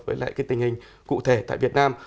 với lại cái tình hình cụ thể tại việt nam